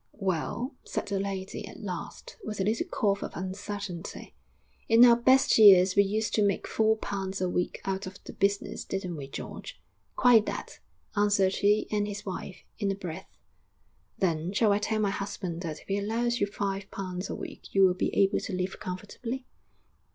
'Well,' said that lady, at last, with a little cough of uncertainty, 'in our best years we used to make four pounds a week out of the business didn't we, George?' 'Quite that!' answered he and his wife, in a breath. 'Then, shall I tell my husband that if he allows you five pounds a week you will be able to live comfortably?'